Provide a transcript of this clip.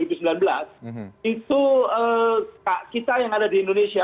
itu kita yang ada di indonesia